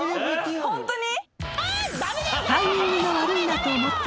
ホントに？